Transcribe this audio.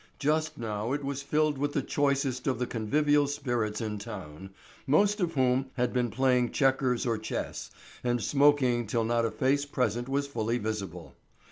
Just now it was filled with the choicest of the convivial spirits in town, most of whom had been playing checkers or chess and smoking till not a face present was fully visible.